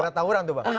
daerah taurang tuh bang